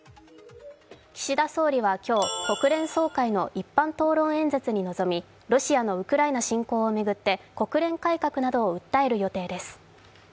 岸田総理は今日、国連総会の一般討論演説に臨みロシアのウクライナ侵攻を巡って国連改革などを訴える予定です。